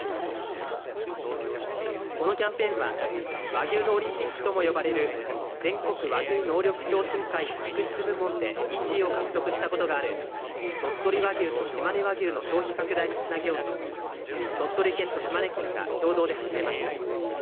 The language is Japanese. このキャンペーンは和牛のオリンピックとも呼ばれる全国和牛能力共進会の肉質部門で１位を獲得したことがある鳥取和牛としまね和牛の消費拡大につなげようと鳥取県と島根県が共同で始めました。